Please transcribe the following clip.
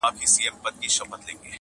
ورور د زور برخه ګرځي او خاموش پاتې کيږي,